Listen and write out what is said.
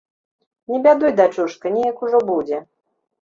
Не бядуй, дачушка, неяк ужо будзе.